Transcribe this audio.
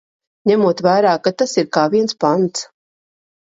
Ņemot vērā, ka tas ir kā viens pants.